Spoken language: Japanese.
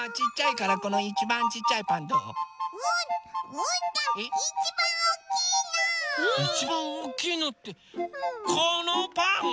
いちばんおおきいのってこのパン？